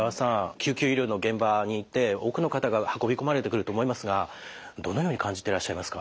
救急医療の現場にいて多くの方が運び込まれてくると思いますがどのように感じてらっしゃいますか？